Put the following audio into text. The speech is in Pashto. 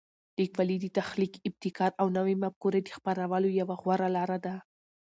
لیکوالی د تخلیق، ابتکار او نوي مفکورې د خپرولو یوه غوره لاره ده.